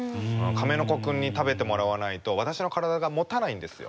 カメノコ君に食べてもらわないと私の体がもたないんですよ。